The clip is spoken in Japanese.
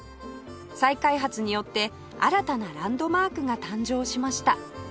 再開発によって新たなランドマークが誕生しました